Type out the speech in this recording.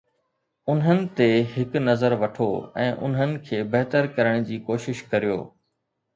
انهن تي هڪ نظر وٺو ۽ انهن کي بهتر ڪرڻ جي ڪوشش ڪريو.